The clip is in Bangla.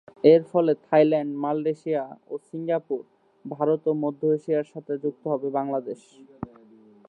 এর ফলে থাইল্যান্ড, মালয়েশিয়া ও সিঙ্গাপুর, ভারত ও মধ্য এশিয়ার সাথে যুক্ত হবে বাংলাদেশ।